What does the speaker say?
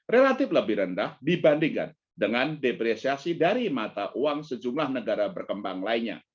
relatif lebih rendah dibandingkan dengan depresiasi dari mata uang sejumlah negara berkembang lainnya